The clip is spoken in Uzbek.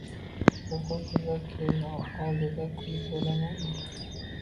O‘g‘il-qizlar, kelinlar oldida kulgi bo‘lamanmi